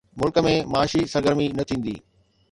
ملڪ ۾ معاشي سرگرمي نه ٿيندي.